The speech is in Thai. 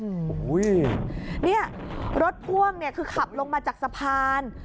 โอ้โหเนี่ยรถพ่วงเนี่ยคือขับลงมาจากสะพาน